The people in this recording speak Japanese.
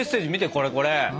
これこれ。